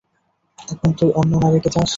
এখন তুই অন্য নারীকে চাস?